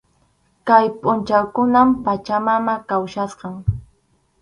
Kay pʼunchawkunam Pachamama kawsachkan.